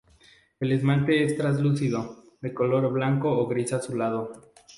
El esmalte es translúcido, de color blanco o gris azulado.